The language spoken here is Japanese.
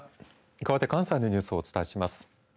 かわって関西のニュースをお伝えします。